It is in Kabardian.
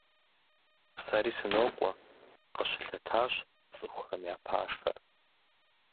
Сэри сынокӀуэ, – къыщылъэтащ цӀыхухэм я пашэр.